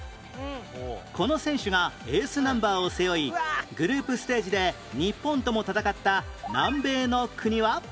この選手がエースナンバーを背負いグループステージで日本とも戦った南米の国は？